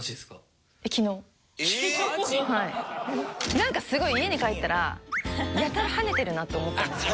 なんかすごい家に帰ったらやたら跳ねてるなって思ったんですよ。